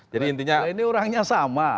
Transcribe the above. jadi intinya nah ini orangnya sama